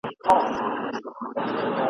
یوه بل ته چي ورکړي مو وه زړونه !.